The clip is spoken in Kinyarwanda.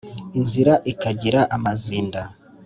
Inzira ikagira amazinda